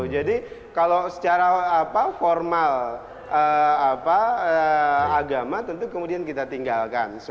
jadi kalau secara apa formal apa agama tentu kemudian kita tinggalkan